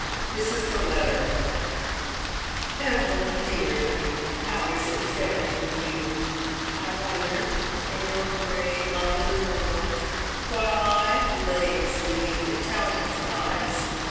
This is the letter: "Evelyn, Dear, How is it faring with you, I wonder, in your grey London world, while I laze beneath Italian skies?